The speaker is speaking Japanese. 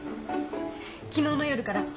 昨日の夜からＯｈ！